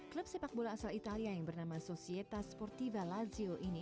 klub sepak bola asal italia yang bernama sosieta sportiva lazio ini